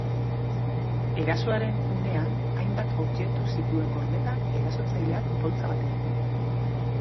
Erasoaren unean hainbat objektu zituen gordeta erasotzaileak poltsa batean.